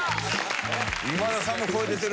今田さんも声出てる。